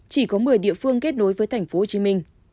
chỉ có một mươi địa phương kết nối với tp hcm